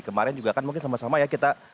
kemarin juga kan mungkin sama sama ya kita